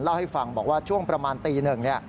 เล่าให้ฟังบอกว่าช่วงประมาณตีหนึ่ง